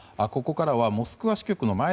ここからはモスクワ支局の